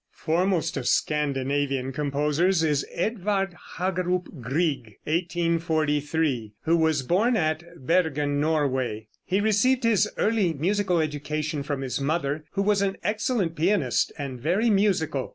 ] Foremost of Scandinavian composers is Edvard Hagerup Grieg (1843 ), who was born at Bergen, Norway, and received his early musical education from his mother, who was an excellent pianist, and very musical.